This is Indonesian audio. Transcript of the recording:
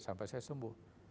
sampai saya sembuh